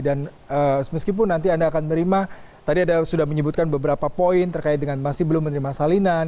dan meskipun nanti anda akan menerima tadi sudah menyebutkan beberapa poin terkait dengan masih belum menerima salinan